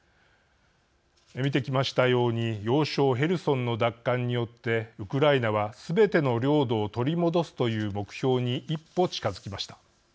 見てきましたように要衝ヘルソンの奪還によってウクライナは、すべての領土を取り戻すという目標に一歩、近づきました。